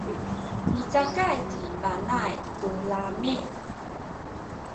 micakay ci Panay tu lami’.